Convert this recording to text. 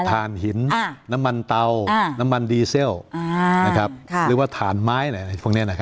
เช่นผ่านหินน้ำมันเตาน้ำมันดีเซลหรือว่าฐานไม้พวกนี้นะครับ